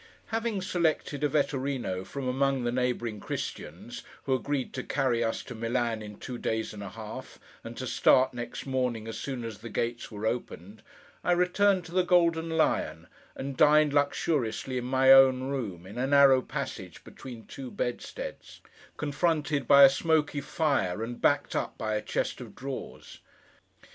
Having selected a Vetturíno from among the neighbouring Christians, who agreed to carry us to Milan in two days and a half, and to start, next morning, as soon as the gates were opened, I returned to the Golden Lion, and dined luxuriously in my own room, in a narrow passage between two bedsteads: confronted by a smoky fire, and backed up by a chest of drawers.